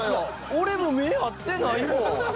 俺も目合ってないもん。